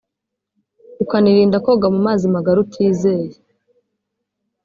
ukanirinda koga mu mazi magari utizeye